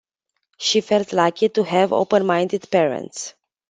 She felt lucky to have open-minded parents.